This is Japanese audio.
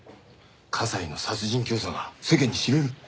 加西の殺人教唆が世間に知れる。